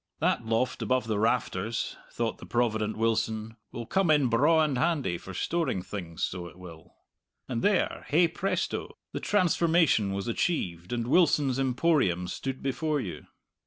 That loft above the rafters, thought the provident Wilson, will come in braw and handy for storing things, so it will. And there, hey presto! the transformation was achieved, and Wilson's Emporium stood before you.